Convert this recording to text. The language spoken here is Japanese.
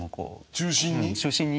中心に？